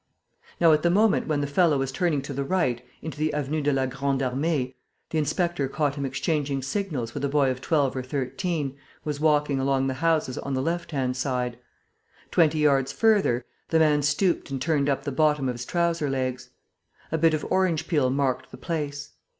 Now, at the moment when the fellow was turning to the right, into the Avenue de la Grande Armée, the inspector caught him exchanging signals with a boy of twelve or thirteen, who was walking along the houses on the left hand side. Twenty yards farther, the man stooped and turned up the bottom of his trousers legs. A bit of orange peel marked the place.